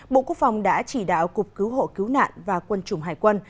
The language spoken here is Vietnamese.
bộ quốc phòng đã chỉ đạo cục cứu hộ cứu nạn và quân chủng hải quân